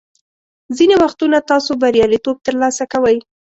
ځینې وختونه تاسو بریالیتوب ترلاسه کوئ.